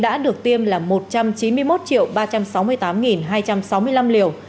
đã được tiêm là một trăm chín mươi một ba trăm sáu mươi tám hai trăm sáu mươi năm liều